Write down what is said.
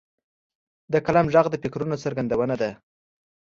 د قلم ږغ د فکرونو څرګندونه ده.